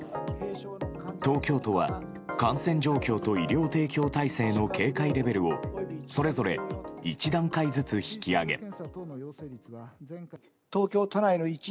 東京都は感染状況と医療提供体制の警戒レベルをそれぞれ１段階ずつ引き上げ。